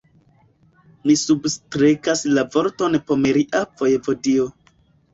Mi substrekas la vorton "pomeria vojevodio".